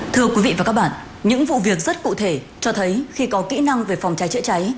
thưa quý vị và các bạn những vụ việc rất cụ thể cho thấy khi có kỹ năng về phòng cháy chữa cháy